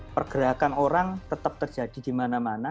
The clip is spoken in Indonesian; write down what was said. pergerakan orang tetap terjadi di mana mana